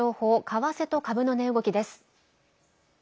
為替と株の値動きです。